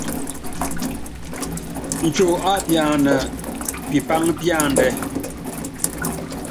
Nco á pian pipaŋ píandɛ́.